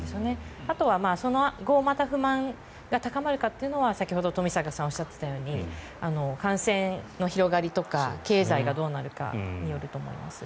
あとは、その後また不満が高まるかというのは先ほど冨坂さんがおっしゃっていたように感染の広がりとか経済がどうなるかによると思います。